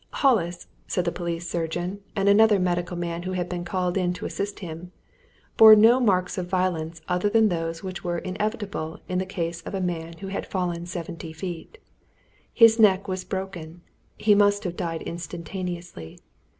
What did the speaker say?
Hollis, said the police surgeon and another medical man who had been called in to assist him, bore no marks of violence other than those which were inevitable in the case of a man who had fallen seventy feet. His neck was broken; he must have died instantaneously.